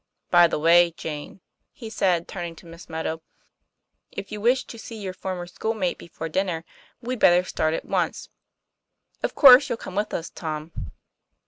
'By the way, Jane," he said, turning to Miss Meadow, "if you wish to see your former school mate before dinner, we'd better start at once. Of course you'll come with us, Tom."